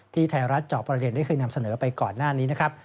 ไทยรัฐจอบประเด็นได้เคยนำเสนอไปก่อนหน้านี้นะครับ